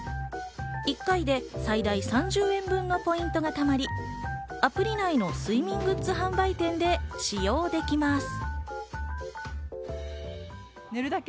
１回で最大３０円分のポイントが貯まり、アプリ内の睡眠グッズ販売店で使用できます。